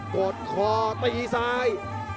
กดคอตีซ้าย